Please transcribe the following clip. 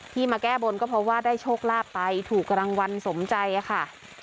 มาแก้บนก็เพราะว่าได้โชคลาภไปถูกรางวัลสมใจค่ะ